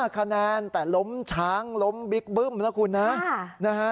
คะแนนแต่ล้มช้างล้มบิ๊กบึ้มแล้วคุณนะ